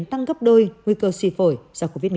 tăng gấp đôi nguy cơ suy phổi do covid một mươi